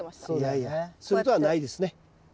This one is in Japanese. いやいやそういうことはないですね。